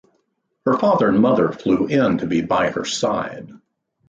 Her father and mother flew in to be by her side.